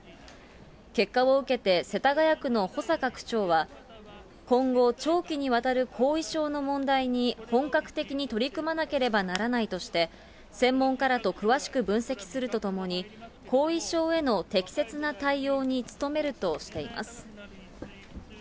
結果を受けて世田谷区の保坂区長は、今後、長期にわたる後遺症の問題に本格的に取り組まなければならないとして、専門家らと詳しく分析するとともに、後遺症への適切な対応に努めるとしています。